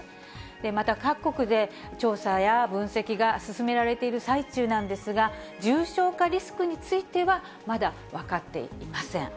また各国で調査や分析が進められている最中なんですが、重症化リスクについては、まだ分かっていません。